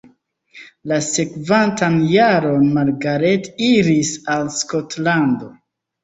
La sekvantan jaron Margaret iris al Skotlando.